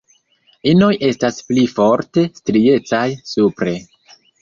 Inoj estas pli forte striecaj supre.